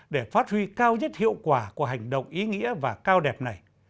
để phát huy cao nhất hiệu quả của hành động ý nghĩa và cao đẹp này